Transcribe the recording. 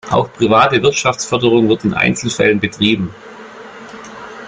Auch private Wirtschaftsförderung wird in Einzelfällen betrieben.